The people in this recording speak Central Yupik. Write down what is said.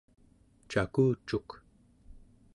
cakucuk